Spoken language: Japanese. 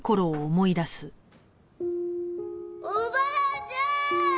おばあちゃん！